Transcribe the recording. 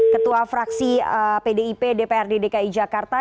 ketua fraksi pdip dprd dki jakarta